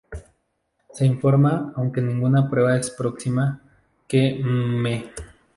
Se informa, aunque ninguna prueba es próxima, que Mme.